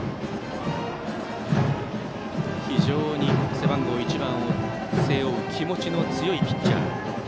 非常に背番号１番を背負う気持ちの強いピッチャー。